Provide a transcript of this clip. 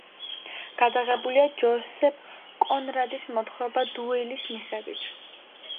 გადაღებულია ჯოსეფ კონრადის მოთხრობა „დუელის“ მიხედვით.